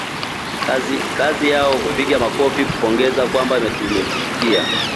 kazi yao kupiga makofi kupongeza kwamba umetufikia